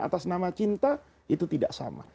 atas nama cinta itu tidak sama